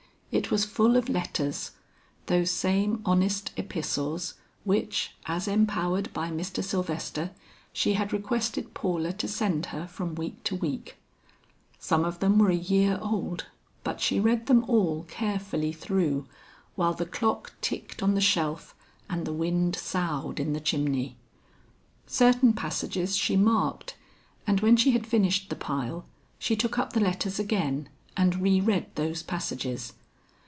It was full of letters; those same honest epistles, which, as empowered by Mr. Sylvester, she had requested Paula to send her from week to week. Some of them were a year old, but she read them all carefully through, while the clock ticked on the shelf and the wind soughed in the chimney. Certain passages she marked, and when she had finished the pile, she took up the letters again and re read those passages.